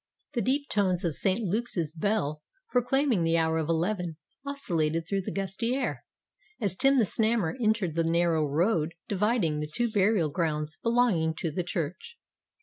The deep tones of St. Luke's bell, proclaiming the hour of eleven, oscillated though the gusty air, as Tim the Snammer entered the narrow road dividing the two burial grounds belonging to the church.